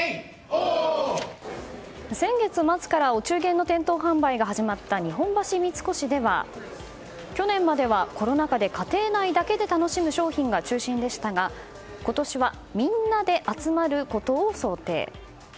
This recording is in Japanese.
先月末からお中元の店頭販売が始まった日本橋三越では去年までは、コロナ禍で家庭内だけで楽しむ商品が中心でしたが今年はみんなで集まることを想定。